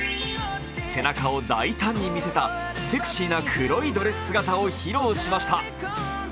背中を大胆に見せたセクシーな黒いドレス姿を披露しました。